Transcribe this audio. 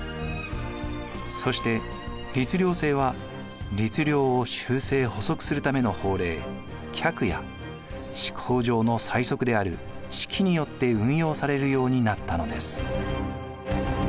そして律令制は律令を修正・補足するための法令「格」や施行上の細則である「式」によって運用されるようになったのです。